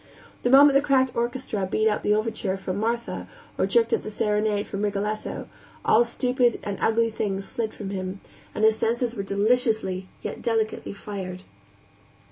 The moment the cracked orchestra beat out the overture from Martha, or jerked at the serenade from Rigoletto, all stupid and ugly things slid from him, and his senses were deliciously, yet delicately fired.